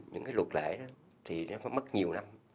những cái luật lệ thì nó mất nhiều năm